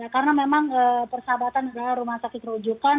karena memang persahabatan rumah sakit rujukan